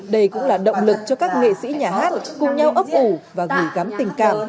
đây cũng là động lực cho các nghệ sĩ nhà hát cùng nhau ấp ủ và gửi gắm tình cảm